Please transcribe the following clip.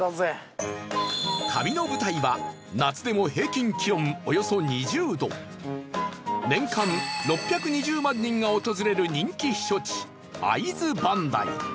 旅の舞台は夏でも平均気温およそ２０度年間６２０万人が訪れる人気避暑地会津磐梯